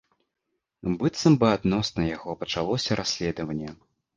Быццам бы адносна яго пачалося расследаванне.